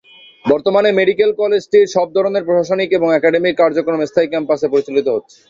বর্তমানে মেডিকেল কলেজটির সব ধরনের প্রশাসনিক এবং একাডেমিক কার্যক্রম স্থায়ী ক্যাম্পাসে পরিচালিত হচ্ছে।